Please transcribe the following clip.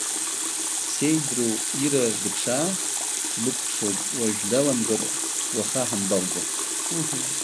Сеидру, Ира, дыԥшаа, сбыкәхшоуп, уажә даламгар уаха ҳанбалго?